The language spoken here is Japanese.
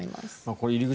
これ、入り口